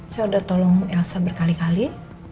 saya sudah tolong elsa berkali kali